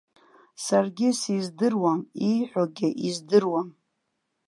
Саргьы сиздыруам, ииҳәогьы издыруам.